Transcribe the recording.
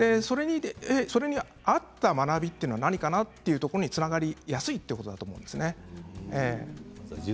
それに合った学びは何かなというところにつながりやすいということだと思います。